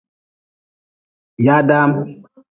Yadaam.